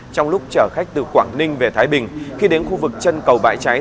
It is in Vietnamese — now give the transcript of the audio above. trong lúc chở khách từ quảng ninh về thái bình khi đến khu vực chân cầu bãi cháy